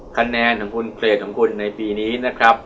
คะแนนของคุณเกรดของคุณในปีนี้นะครับ